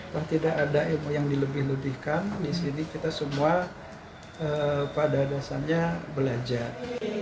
kalau tidak ada ilmu yang dilebih lebihkan di sini kita semua pada dasarnya belajar